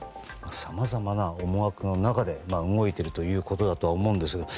さまざまな思惑の中で動いているということだとは思うんですけど。